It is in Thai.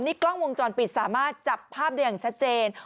นี่กล้องวงจรปิดสามารถจับภาพได้อย่างชัดเจน